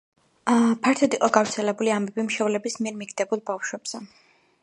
ფართოდ იყო გავრცელებული ამბები მშობლების მიერ მიგდებულ ბავშვებზე.